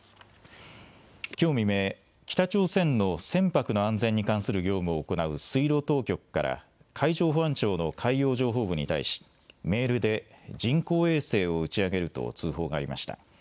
きょう未明、北朝鮮の船舶の安全に関する業務を行う水路当局から、海上保安庁の海洋情報部に対し、メールで、人工衛星を打ち上げると通報がありました。